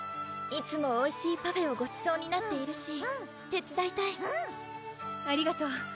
いつもおいしいパフェをごちそうになっているし手つだいたいうんありがとう